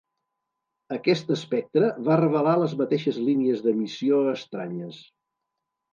Aquest espectre va revelar les mateixes línies d'emissió estranyes.